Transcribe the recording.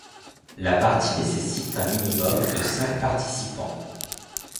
La partie nécessite un minimum de cinq participants.